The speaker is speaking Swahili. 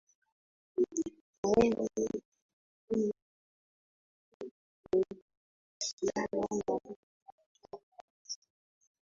uhuum lipi lingine kwa ufupi tu ni kuhusiana na kutajwa kwa mwana